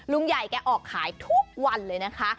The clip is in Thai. ลุงใหญ่แกออกขายทุกวันเลยนะคะ